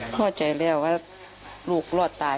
เข้าใจแล้วว่าลูกรอดตาย